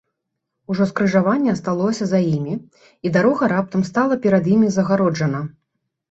Ужо скрыжаванне асталося за імі, і дарога раптам стала перад імі загароджана.